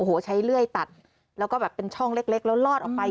โอ้โหใช้เลื่อยตัดแล้วก็แบบเป็นช่องเล็กแล้วลอดออกไป